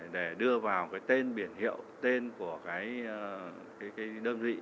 để đưa vào cái tên biển hiệu tên của cái đơn vị